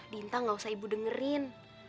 dinta gak usah ibu dengerin